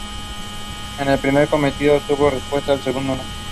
El primer cometido obtuvo respuesta, el segundo no.